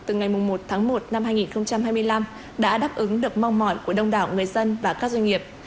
từ ngày một tháng một năm hai nghìn hai mươi năm đã đáp ứng được mong mỏi của đông đảo người dân và các doanh nghiệp